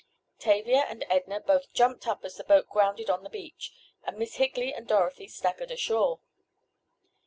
Tavia and Edna both jumped up as the boat grounded on the beach, and Miss Higley and Dorothy staggered ashore.